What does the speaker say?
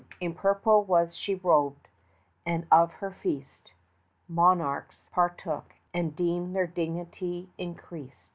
In purple was she robed, and of her feast Monarchs partook, and deemed their dignity increased.